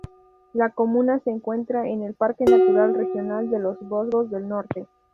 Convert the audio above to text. La comuna se encuentra en el Parque Natural Regional de los Vosgos del Norte.